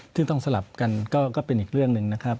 ที่ต้องสลับกันก็เป็นอีกเรื่องหนึ่งนะครับ